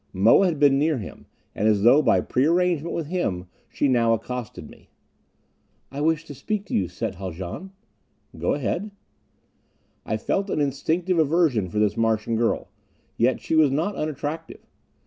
Moa had been near him; and as though by pre arrangement with him she now accosted me. "I want to speak to you, Set Haljan." "Go ahead." I felt an instinctive aversion for this Martian girl. Yet she was not unattractive.